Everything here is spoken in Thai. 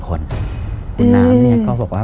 คุณน้ำคือตัวเองก็บอกว่า